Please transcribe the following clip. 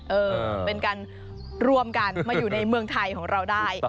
เออเป็นการรวมกันมาอยู่ในเมืองไทยของเราได้